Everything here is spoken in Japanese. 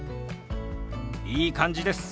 いい感じです。